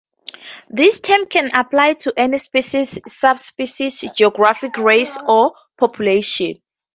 This term can apply to any species, subspecies, geographic race, or population.